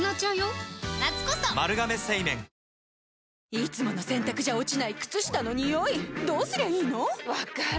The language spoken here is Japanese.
いつもの洗たくじゃ落ちない靴下のニオイどうすりゃいいの⁉分かる。